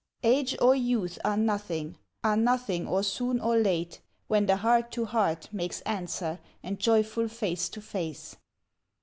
Age or youth are nothing, are nothing or soon or late, When the heart to heart makes answer and joyful face to face.